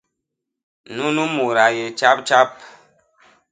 Nunu mut a yé tjap tjap .